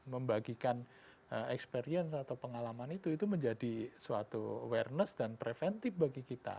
membagikan experience atau pengalaman itu itu menjadi suatu awareness dan preventif bagi kita